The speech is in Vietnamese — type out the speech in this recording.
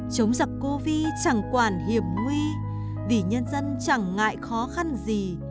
chống giặc covid chẳng quản hiểm nguy vì nhân dân chẳng ngại khó khăn gì